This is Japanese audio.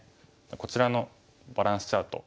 こちらのバランスチャート